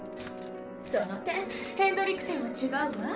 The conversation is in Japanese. その点ヘンドリクセンは違うわ。